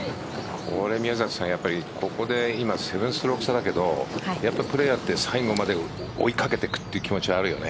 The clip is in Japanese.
宮里さん、ここで今７ストローク差だけど最後まで追いかけていくという気持ちあるよね。